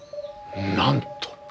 なんと！